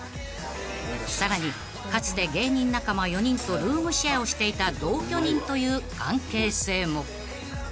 ［さらにかつて芸人仲間４人とルームシェアをしていた同居人という関係性も］